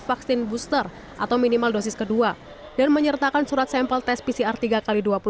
vaksin booster atau minimal dosis kedua dan menyertakan surat sampel tes pcr tiga x dua puluh